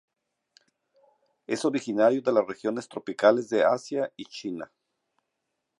Es originario de las regiones tropicales de Asia y China.